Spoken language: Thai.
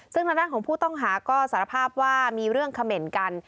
ซึ่งดังของผู้ต้องหาก็สารภาพว่ามีเรื่องขเมนต์กัน